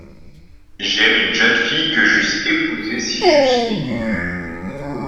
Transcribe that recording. J'aime une jeune fille que j'eusse épousée si j'eusse vécu.